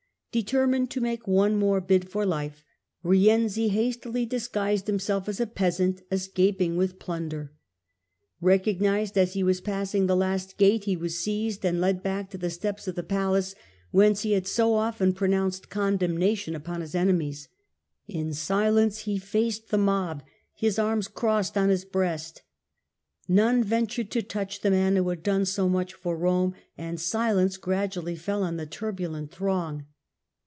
Determined to make one more bid for life, Rienzi hastily disguised himself as a peasant escaping with plunder. Eecognised as he was passing the last gate, he was seized and led back to the steps of the palace, whence he had so often pronounced condemnation upon his enemies. In silence he faced the mob, his arms crossed on his breast. None ventured to touch the man who had done so much for Rome, and silence gradually fell on the turbulent throng.